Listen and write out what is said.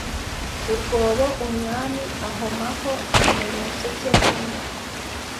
urwobo Umwami ahomaho ikimenyetso cye bwite